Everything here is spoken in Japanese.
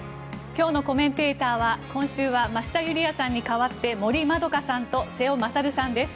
今日のコメンテーターは今週は増田ユリヤさんに代わって森まどかさんと瀬尾傑さんです。